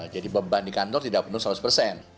jadi beban di kantor tidak penuh seratus persen